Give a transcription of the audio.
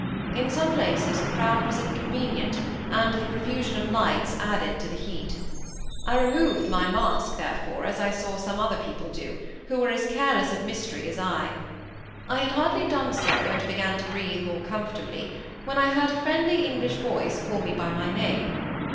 In some places the crowd was inconvenient, and the profusion of lights added to the heat. I removed my mask, therefore, as I saw some other people do, who were as careless of mystery as I. I had hardly done so, and began to breathe more comfortably, when I heard a friendly English voice call me by my name.